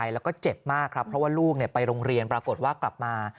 แล้วก็เจ็บมากครับเพราะว่าลูกไปโรงเรียนปรากฏว่ากลับมา